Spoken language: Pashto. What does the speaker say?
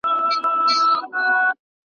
ده د زده کړې له لارې پرمختګ غوښت.